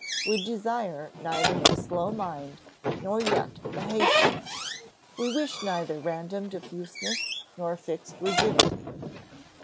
We desire neither the slow mind nor yet the hasty. We wish neither random diffuseness nor fixed rigidity.